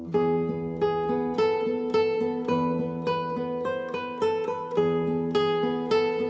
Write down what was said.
waalaikumsalam warahmatullahi wabarakatuh